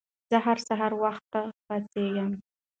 زه هر سهار وخته پاڅيږم